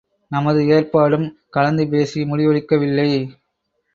நமது ஏற்பாடும் கலந்து பேசி முடிவெடுக்கவில்லை.